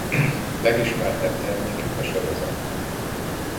Legismertebb termékük a sorozat.